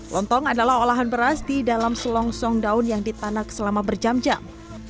lontong adalah olahan beras di dalam selongsong daun yang ditanak selama berjam jam